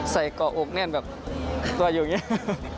ใส่กล่องอกแบบตัวอยู่อย่างนี้